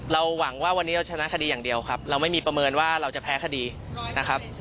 หวังว่าวันนี้เราชนะคดีอย่างเดียวครับเราไม่มีประเมินว่าเราจะแพ้คดีนะครับ